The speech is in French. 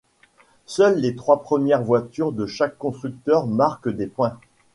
Seules les trois premières voitures de chaque constructeurs marquent des points.